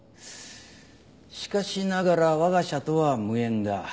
しかしながらわが社とは無縁だ。